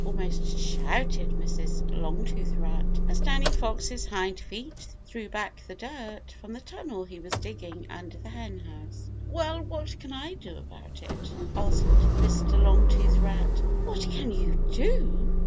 almost shouted Mrs. Longtooth Rat, as Danny Fox's hind feet threw back the dirt from the tunnel he was digging under the Henhouse. "Well, what can I do about it?" asked Mr. Longtooth Rat. "What can you do?"